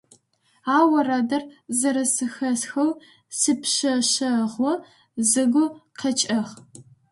А орэдыр зэрэзэхэсхэу сипшъэшъэгъу сыгу къэкӀыгъ.